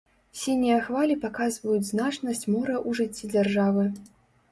Сінія хвалі паказваюць значнасць мора ў жыцці дзяржавы.